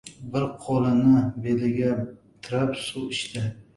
Bir qo‘lini beliga tirab suv ichdi.